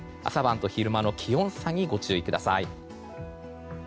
朝晩と昼間の気温差にご注意ください。